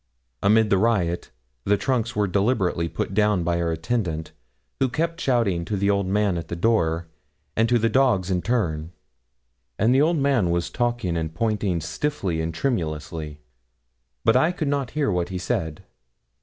Amid the riot the trunks were deliberately put down by our attendant, who kept shouting to the old man at the door, and to the dogs in turn; and the old man was talking and pointing stiffly and tremulously, but I could not hear what he said.